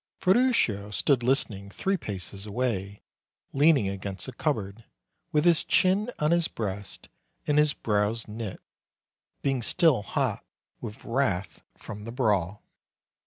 Ferruccio stood listening three paces away, leaning against a cupboard, with his chin on his breast and his brows knit, being still hot with wrath from the brawl.